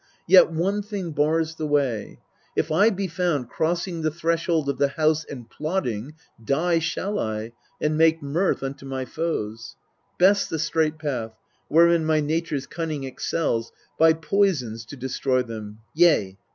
256 EUR1PIDKS Yet one thing bars the \vay if I be found Crossing the threshold of the house and plotting, Die shall I, and make mirth unto my foes. Best the straight path, wherein my nature's cunning Excels, by poisons to destroy them yea.